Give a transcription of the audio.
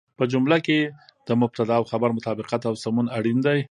په جمله کې د مبتدا او خبر مطابقت او سمون اړين دی.